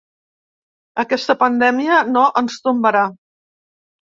Aquesta pandèmia no ens tombarà.